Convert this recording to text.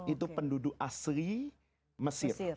itu penduduk asli mesir